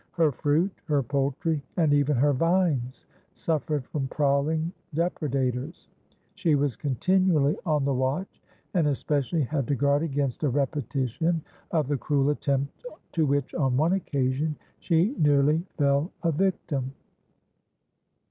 Her fruit, her poultry, and even her vines suffered from prowling depredators; she was continually on the watch, and especially had to guard against a repetition of the cruel attempt to which on one occasion she nearly fell a victim.